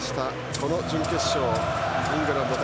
この準決勝イングランド対